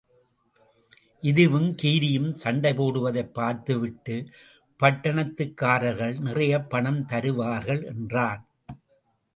இதுவும், கீரியும் சண்டை போடுவதைப் பார்த்துவிட்டுப் பட்டணத்துக்காரர்கள் நிறையப் பணம் தருவார்கள் என்றான்.